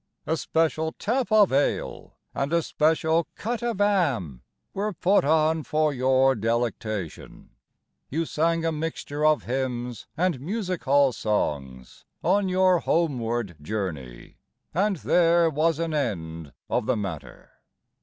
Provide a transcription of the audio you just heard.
A special tap of ale And a special cut of 'am Were put on for your delectation; You sang a mixture of hymns And music hall songs On your homeward journey, And there was an end of the matter.